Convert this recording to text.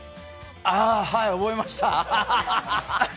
ああ、はい覚えました。